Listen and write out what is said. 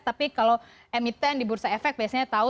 tapi kalau emiten di bursa efek biasanya tahu